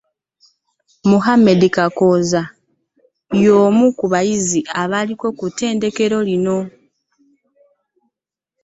Hamdan Kakooza, y'omu ku bayizi abaaliko ku ttendekero lino